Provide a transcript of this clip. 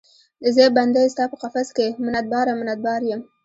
زه بندۍ ستا په قفس کې، منت باره، منت بار یم